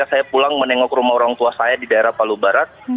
saya pulang menengok rumah orang tua saya di daerah palu barat